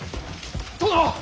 殿！